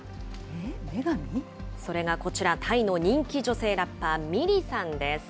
それがこちら、タイの人気女性ラッパー、ミリさんです。